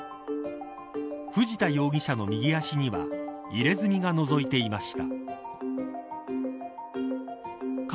藤田容疑者の右足には入れ墨がのぞいていました。